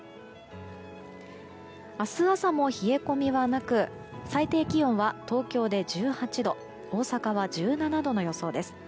明日朝も冷え込みはなく最低気温は、東京で１８度大阪は１７度の予想です。